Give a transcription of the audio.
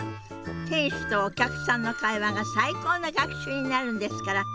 店主とお客さんの会話が最高の学習になるんですから。